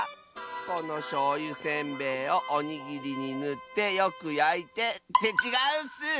このしょうゆせんべいをおにぎりにぬってよくやいてってちがうッス！